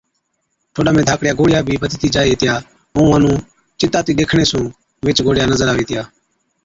ٺوڏا ۾ ڌاڪڙِيا گوڙهِيا بِي بڌتِي جائي هِتِيا ائُون اُونهان نُون چِتاتِي ڏيکڻي سُون ويهچ گوڙهِيا نظر آوي هِتِيا۔